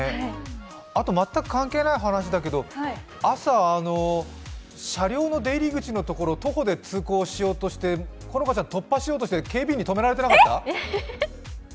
全く関係ない話だけど、朝、車両の出入り口のところ、徒歩で通行しようとして、好花ちゃん突破しようとして見られてました？